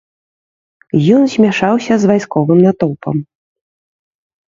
Ён змяшаўся з вайсковым натоўпам.